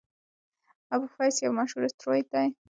اپوفیس یو مشهور اسټروېډ دی.